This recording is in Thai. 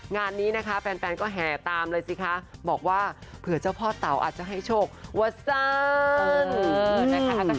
งานนี้นะคะแฟนก็แห่ตามเลยสิคะบอกว่าเผื่อเจ้าพ่อเต๋าอาจจะให้โชคว่าสร้างนะคะ